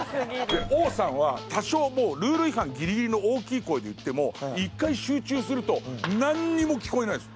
で王さんは多少ルール違反ギリギリの大きい声で言っても１回集中するとなんにも聞こえないんですよ。